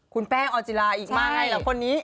คุณแป้งออนจิลาอีกมาไงเหรอคนนี้